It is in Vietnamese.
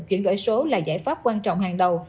chuyển đổi số là giải pháp quan trọng hàng đầu